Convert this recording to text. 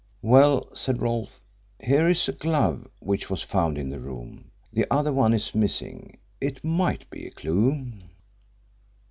"Well," said Rolfe, "here is a glove which was found in the room. The other one is missing. It might be a clue."